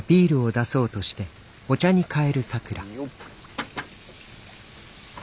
よっ！